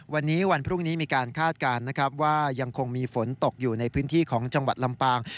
วันนี้วันพรุ่งนี้มีการคาดการณ์นะครับว่ายังคงมีฝนตกอยู่ในพื้นที่ของจังหวัดลำปาง